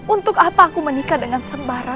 untuk apa aku menikah dengan sembara